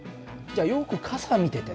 じゃよく傘見ててね。